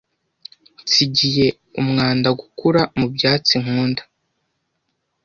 Nsigiye umwanda gukura mu byatsi nkunda,